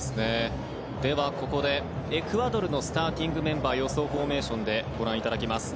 では、ここでエクアドルのスターティングメンバー予想フォーメーションでご覧いただきます。